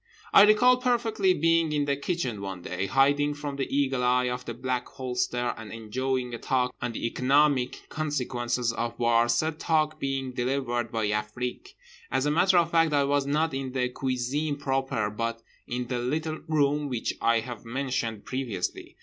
I recall perfectly being in the kitchen one day, hiding from the eagle eye of the Black Holster and enjoying a talk on the economic consequences of war, said talk being delivered by Afrique. As a matter of fact, I was not in the cuisine proper but in the little room which I have mentioned previously.